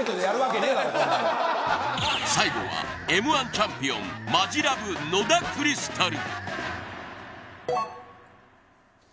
チャンピオンマヂラブ野田クリスタル